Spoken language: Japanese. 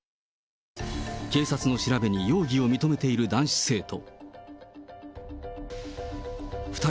警察の調べに容疑を認めている男子生徒。